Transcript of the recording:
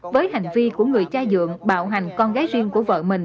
với hành vi của người cha dưỡng bạo hành con gái riêng của vợ mẹ